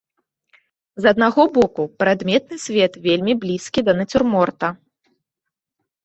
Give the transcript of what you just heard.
З аднаго боку, прадметны свет вельмі блізкі да нацюрморта.